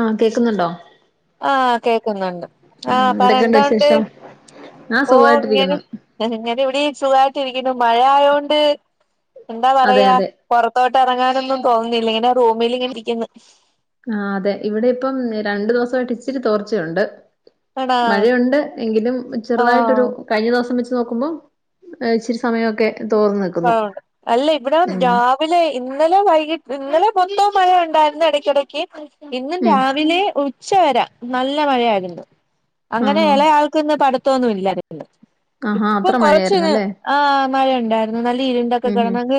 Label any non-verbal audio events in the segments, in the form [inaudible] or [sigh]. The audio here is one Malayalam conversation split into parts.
ആ കേ ൾക്കുന്നുണ്ടോ? ആ കേൾക്കുന്നുണ്ട്. ആഹ് പറ എന്തൊക്കെയുണ്ട് എന്തോണ്ട് വിശേഷം ആഹ് ഓ ഇങ്ങനെ സുഖമായിട്ടിരിക്കുന്നു ഇങ്ങനെ ഇവിടെയും സുഖാ രിക്കുന്നു മഴ ആയോണ്ട് എന്താ അതെ പറയാ അതെ പുറത്തോട്ട് ഇറങ്ങാൻ ഇന്നൊന്നും തോന്നുന്നില്ലെ ഇങ്ങനെ റൂമിൽ ഇങ്ങനെ ഇരിക്കുന്നു. ആ അതെ ഇവിടെ ഇപ്പം രണ്ടു ദിവസമായിട്ട് ഇച്ചിരി തോർച്ചയുണ്ട് ആണോ മഴയുണ്ട് എങ്കിലും ചെറുതായിട്ടൊരു ആഹ് കഴിഞ്ഞ ദിവസം വെച്ച് നോക്കുമ്പോ ആ ഇച്ചിരി സമയമൊക്കെ തോർന്നു നിൽക്കുന്നു അല്ല ഇവിടെ ഉം രാവിലെ ഇന്നലെ വൈകി് ഇന്നലെ മൊത്തോം മഴ ഉണ്ടായിരുന്നു ഇടക്കിടക്ക് ഇന്നും ഉം രാവിലെ ഉ ഉച്ചവരെ നല്ല മഴയാരുന്നു അങ്ങനെ ആഹ് എളയആൾക്കിന്ന് പഠി [unintelligible] ആഹാ ഇപ്പൊ അത്ര കൊറച്ചിന് മഴയായിരുന്നല്ലേ ആ മഴ ഉണ്ടായിരുന്നു നല്ല ഇരുണ്ടൊക്കെ ഉം കിടന്നെങ്കി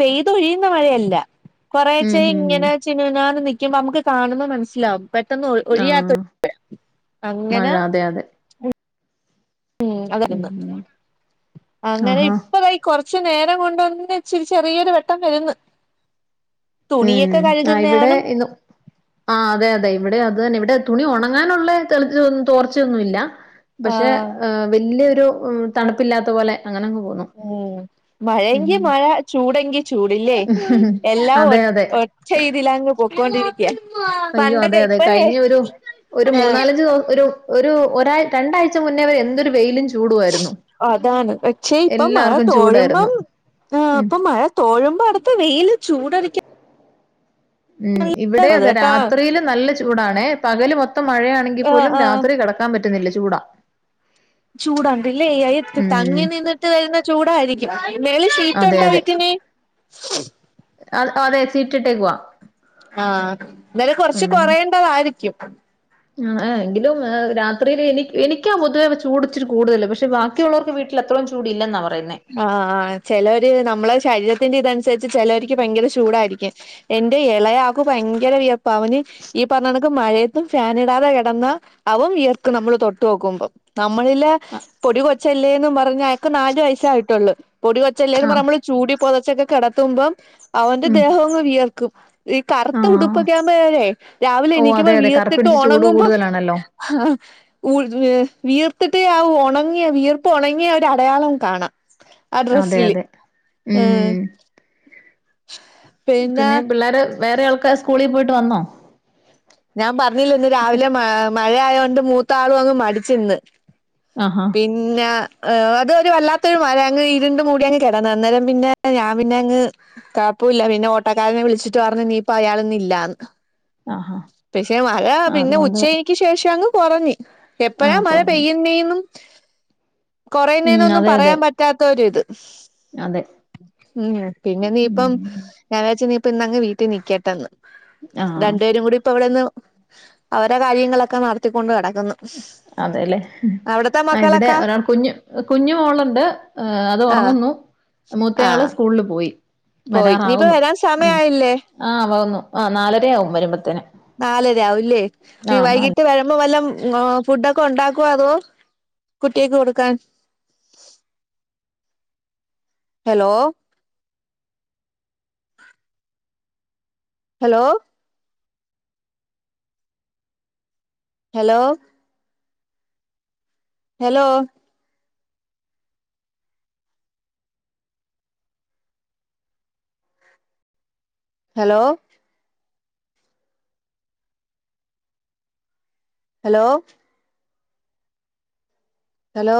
പെയ്തൊഴിയുന്ന മഴയല്ല കേറേച്ച ഉം ഉം ഉം ഉം ഇങ്ങനെ ചിന്ചിനാന്ന് നി ക്കുമ്പോ നമുക്ക് കാണുന്നത് മനസ്സിലാവും പെട്ടെന്ന് ഒഴിയാത്ത ആഹ് ഒരു അങ്ങന മഴ അതെ അതെ ഉം [unintelligible] ഉം അങ്ങനെ ആഹാ ഇപ്പ ദാ കുറ പക്ഷെ നേരം കൊണ്ടുവന്ന് ഇച്ചിരി ചെറിയൊരു വെട്ടം വേന്ന് ഉം ആ ഇവിടെ ഇന്ന് ആ അതെ അതെ ഇവിടെ അത് തന്നെ ഇവിടെ തുണി ഒണങ്ങാനുള്ള തെളിച്ചൊന്നും തോർച്ചയൊന്നു ഇല്ല ആ പക്ഷെ വല്യ തണുപ്പില്ലാത്ത പോലെ അങ്ങനങ്ങ് പോന്നു ഉം ഉം മഴെങ്കി മഴ ചൂടെങ്കി ചൂടല്ലേ എല്ലാ ഒ അതെ അതെ ഒറ്റ ഇതിലങ്ങ് പൊക്കോണ്ടിരി അയ്യോ അതെ അതെ കഴിഞ്ഞ ഒരു ഒരു മൂന്നാലഞ്ച് ആ ദിവസം ഒരു ഒരു ഒരാ രണ്ടാഴ്ച മുന്നേ എന്തൊരു വെയിലും ചൂ അതാണ് പക്ഷേ ഇപ്പൊ മഴ എല്ലാർക്കും ചൂടായിരുന്നു തോഴുമ്പം ആ ഉം ഇപ്പൊ മഴ തോഴുമ്പോ അടുത്ത വെൽ ചൂടടിക്ക ഉം ഇവിടെ അതെ കേട്ടാ രാത്രിയില് നല്ല ചൂടാണേ പകല് മൊ മഴയാണെങ്കിൽ ആഹ് പോലും രാത്രി കടക്കാൻ പറ്റുന്നില്ല ചൂടാ ചൂടണ്ടല്ലേ അ ഉം തങ്ങി നിന്നിട്ട് വരുന്ന ചൂടായിരിക്കും മേളീ സീറ്റ് ഉണ്ടാ വിട്ടിൽ [inaudible] അ അതെ സീറ്റിട്ടേക്കുവാ ആ ന്താലും കുറച്ച് കൊറേണ്ടവായിരിക്കും [inaudible] ആ എങ്കിലും രാത്രിയിൽ എനിക്ക് എനിക്കാ പൊതുവേ ചൂട് ഇിച്ചിരി കൂടുതല് പക്ഷെ ബാക്കിയുള്ളവർക്ക് വീട്ടിൽ അത്രയും ചൂട് ഇല്ലെന്നാ ആ ആ ചിലര് നമ്മളെ ശരീര തിന്റെ ഇതനുസരിച്ച് ചിലർക്ക് ഭയങ്കര ചൂടായിരിക്കും എന്റെ ഇളയാൾക്ക് ഭയങ്കര വിയർപ്പാ അവന് ഈ പറഞ്ഞണക്ക് മഴയത്തും ഫാൻ ഇടാതെ കിടന്ന അവൻ വിയർക്കും നമ്മള് തൊട്ട്നോക്കുമ്പോ മ്മളില്ലെ പൊടി കൊച്ചല്ലേന്ന് പറഞ്ഞ് വക്ക് നാല് വയ ട്ടൊള്ള് പൊടി കൊച്ചല്ലെന്നും പറഞ്ഞ് ആഹ് നമ്മള് ചൂടി പോ ച്ചൊക്കെ കിടത്തുമ്പോം അവന്റെ ഉം ദേഹവങ് വിയർ ക്കും ഈ കറുത്ത ആഹ് ഉടുപ്പൊക്കെ ആവുമ്പഴെരെ രാവിലെ ഓ അതെ എണീക്കുമ്പം അതെ വിയർത്തിട്ട് കറുപ്പിടിച്ച് ചൂട് ഉണങ്ങുമ്പോ കൂടുതലാണല്ലോ [unintelligible] വിയർത്തിട്ട് ആ ഉണങ്ങിയ വയർപ്പ് ഉണങ്ങിയ ഒരു അടയാളം കാണാം ആ അതെ ഡ്രസ്സില് അതെ ഉം പിന്നെ പിള്ളാര് വേറെ ആള്ക്കാര് സ്കൂളി പോയിട്ട് വന്നോ ഞാൻ പഞ്ഞില്ലേ ഇന്ന് കുട്ടി രാവിലെ മ മഴയായോണ്ട് മൂത്താളും അങ്ങ് മടിച്ചിന്ന് ആഹാ പിന്ന ങാ അത് ഒരു വല്ലാത്തൊരു മഴ അങ്ങ്ഇരുണ്ട് മൂടി അങ്ങ് കെടന്ന് അന്നേരം പിന്നെ ഞാൻ പിന്നെ അങ്ങ് കൊഴപ്പമില്ല പിന്നെ ഓട്ടക്കാരനെ വിളിച്ചിട്ട് പറഞ്ഞു ഇനിയിപ്പോ അയാളിന്ന് ഇല്ലാന്ന് ആഹാ പക്ഷെ മഴ പിന്നെ അതുകൊണ്ട് ഉച്ചക്ക് ശേഷം അങ്ങ് ഒറങ്ങി ആ എപ്പോഴാ മഴ കുറഞ്ഞു പെയ്യുന്നെന്നും ഉം കൊറെയുന്നെന്നും അതെ അതെ പറയാൻ പറ്റാത്തൊരിത് അതെ ഉം പിന്നെ നീയിപ്പം ഉം ഞായറാഴ്ച നീ ഇന്നങ്ങ് വീട്ടി നിക്കട്ടന്ന് ആഹ് രണ്ടു പേരും കൂടി ഇപ്പൊ അവിടെന്ന് അവരെ കാര്യങ്ങളൊക്കെ നടത്തിക്കൊണ്ട് നട അതെല്ലേ ആ ഇവിടെ മക്കളൊക്കെ ഒരാൾ കുഞ്ഞു കുഞ്ഞു മോളുണ്ട് അത് ആഹ് ഉറങ്ങുന്നു മൂത്തയാള് ആഹ് സ്കൂളിൽ പോയി പൊയി പോയി ഇനിയിപ്പ വരാൻ സമയായില്ലേ ആഹ് നാലര ആകും വരുമ്പത്തേന് നാലര ആവും ഇല്ലേ ഇനി ആ നാല വൈകിട്ട് വരമ്പം വല്ലം ങാ ഫുഡൊക്കെ ഉണ്ടാക്കുവോ അതോ കുട്ടിയക്ക് കൊടുക്കാൻ hello hello hello hello hello hello hello